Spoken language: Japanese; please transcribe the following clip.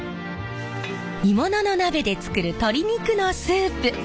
鋳物の鍋で作る鶏肉のスープ。